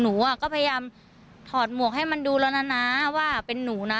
หนูอ่ะก็พยายามถอดหมวกให้มันดูแล้วนะว่าเป็นหนูนะ